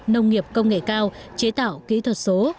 nông nghiệp công nghệ cao chế tạo kỹ thuật số